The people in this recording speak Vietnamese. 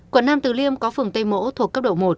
quận nam từ liêm có phường tây mỗ thuộc cấp độ một